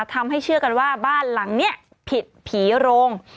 เชื่อกันว่าบ้านหลังนี้ผิดผีโรง